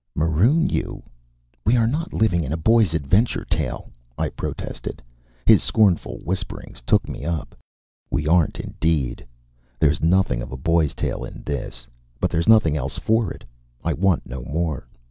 "Maroon you! We are not living in a boy's adventure tale," I protested. His scornful whispering took me up. "We aren't indeed! There's nothing of a boy's tale in this. But there's nothing else for it. I want no more.